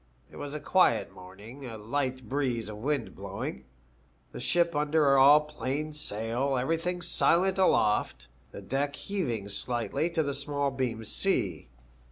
It was a quiet morning, a light breeze of wind blowing, the ship under all plain sail, everything silent aloft, the deck heaving slightly to the small beam sea.